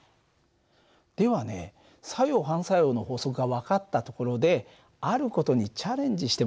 ではね作用・反作用の法則が分かったところである事にチャレンジしてもらおうかな。